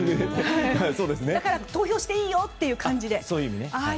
だから投票していいよという感じで。